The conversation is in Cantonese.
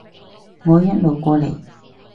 我一路過嚟